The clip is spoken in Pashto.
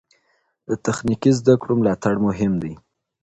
د تخنیکي زده کړو ملاتړ مهم دی.